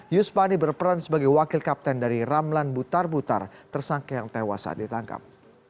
yuspani berperan sebagai wakil kapten dari ramlan butar butar tersangka yang tewas saat ditangkap